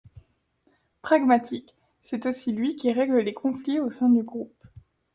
Pragmatique, c’est aussi lui qui règle les conflits au sein du groupe.